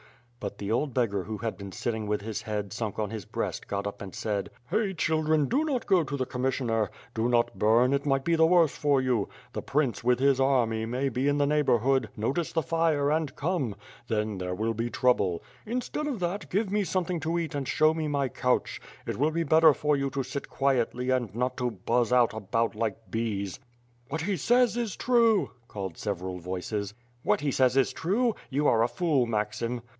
But the old beggar who had been sitting with his head sunk on his breast, got up and said: "Hey, children, do not go to the Commissioner! Do not bum, it might be the worse for you. The prince with his army may be in the neighborhood, notice the fire, and come. Then there will be trouble. Instead of that, give me some thing to eat and show me my couch. It will be better for you to sit quietly and not to buzz out about like bees." "What he says is true," called several voices. "What he says is true? You are a fool, Maxim."